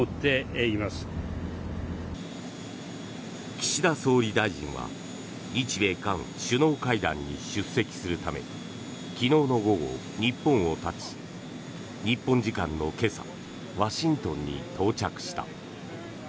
岸田総理大臣は日米韓首脳会談に出席するため昨日の午後、日本を発ち日本時間の今朝ワシントンに到着した。